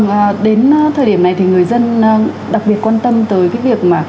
vâng đến thời điểm này thì người dân đặc biệt quan tâm tới việc